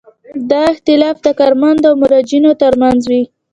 دا اختلاف د کارمندانو او مراجعینو ترمنځ وي.